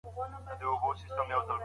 اوږده ډوډۍ به ماڼۍ ته یوړل نه سي.